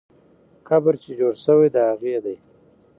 قبر چې جوړ سوی، د هغې دی.